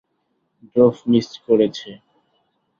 Drove miss করেছে।